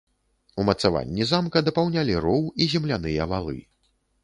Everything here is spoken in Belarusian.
Умацаванні замка дапаўнялі роў і земляныя валы.